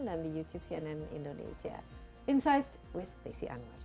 dan di youtube cnn indonesia insight with desi anwar